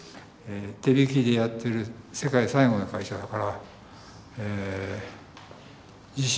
手引きでやってる世界最後の会社だから自信持って。